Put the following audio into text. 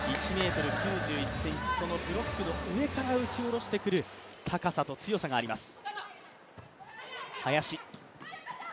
１ｍ９１ｃｍ、そのブロックの上から打ち下ろしてくる高さと強さがあります。